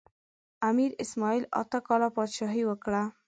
امیر اسماعیل اته کاله پاچاهي وکړه.